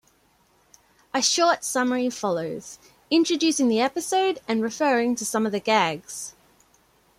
A short summary follows, introducing the episode and referring to some of the gags.